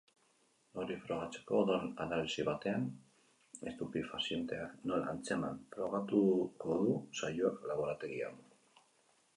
Hori frogatzeko, odol analisi batean estupefazienteak nola antzeman frogatuko du saioak laborategian.